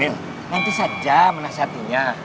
nih nanti saja menasihatinya